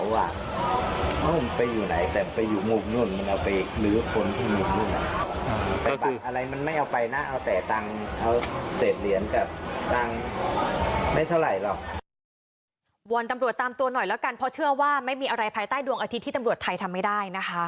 วนตำรวจตามตัวหน่อยแล้วกันเพราะเชื่อว่าไม่มีอะไรภายใต้ดวงอาทิตย์ที่ตำรวจไทยทำไม่ได้นะคะ